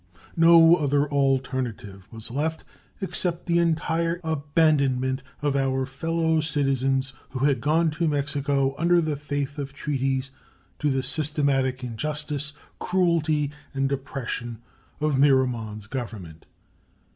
No other alternative was left except the entire abandonment of our fellow citizens who had gone to Mexico under the faith of treaties to the systematic injustice, cruelty, and oppression of Miramon's Government.